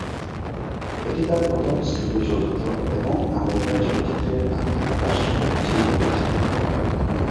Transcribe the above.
এটি তার প্রথম স্টুডিও চলচ্চিত্র এবং আমেরিকান চলচ্চিত্রের আত্মপ্রকাশ চিহ্নিত করেছে।